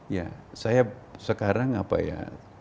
ya saya sekarang apa ya